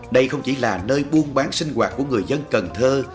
đây không chỉ là nơi buôn bán sinh hoạt của người dân cần thơ